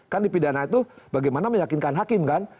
kan di pidana itu bagaimana meyakinkan hakim kan